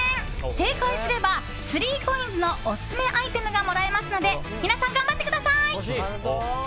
正解すれば、スリーコインズのオススメアイテムがもらえますので皆さん、頑張ってください！